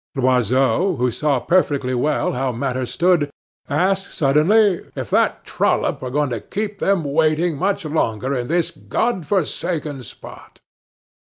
Loiseau, who saw perfectly well how matters stood, asked suddenly "if that trollop were going to keep them waiting much longer in this Godforsaken spot."